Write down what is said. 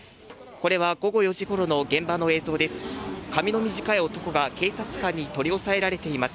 これは午後４時ごろの現場の映像です。